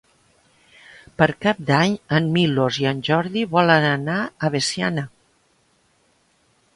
Per Cap d'Any en Milos i en Jordi volen anar a Veciana.